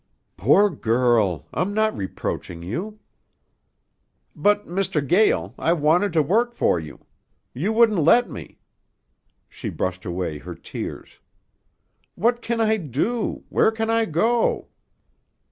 "Poor girl! I'm not reproaching you." "But, Mr. Gael, I wanted to work for you. You wouldn't let me." She brushed away her tears. "What can I do? Where can I go?"